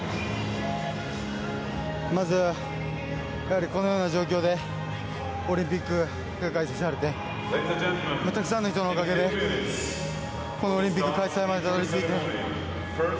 まずこのような状況でオリンピックが開催されてたくさんの人のおかげでこのオリンピック開催までたどり着いて。